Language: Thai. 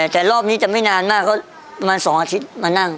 แต่รอบนี้จะไม่นานมากก็ประมาณ๒อาทิตย์มานั่ง